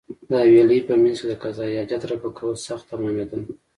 د حویلۍ په مېنځ کې د قضای حاجت رفع کول سخت تمامېدل.